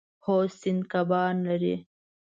هو، سیند کبان لري